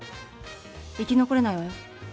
生き残れないわよ。